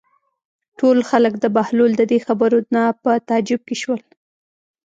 ټول خلک د بهلول د دې خبرو نه په تعجب کې شول.